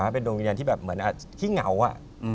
เป็นดวงวิญญาณที่แบบเหมือนขี้เหงาอะ